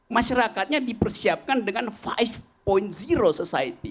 masyarakatnya dipersiapkan dengan lima society